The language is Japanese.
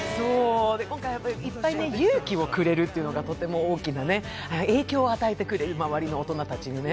今回、やっぱり、勇気をくれるというのが大きなね、影響を与えてくれる、周りの大人たちにね。